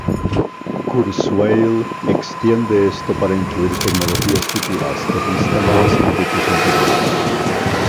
Kurzweil extiende esto para incluir tecnologías futuras que distan de los circuitos integrados.